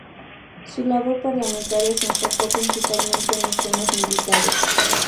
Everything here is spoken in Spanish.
Su labor parlamentaria se enfocó principalmente en los temas militares.